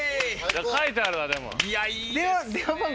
書いてあるわでも。